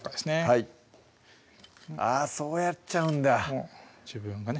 はいあぁそうやっちゃうんだ自分がね